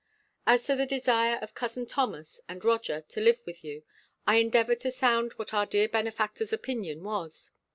As to the desire of cousin Thomas, and Roger, to live with you, I endeavoured to sound what our dear benefactor's opinion was.